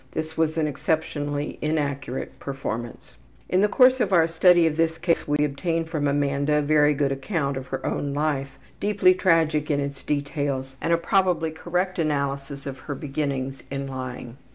This was an exceptionally inaccurate performance. In the course of our study of this case we obtained from Amanda a very good account of her own life, deeply tragic in its details, and a probably correct analysis of her beginnings in lying.